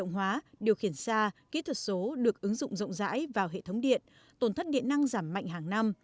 hóa điều khiển xa kỹ thuật số được ứng dụng rộng rãi vào hệ thống điện tổn thất điện năng giảm mạnh hàng năm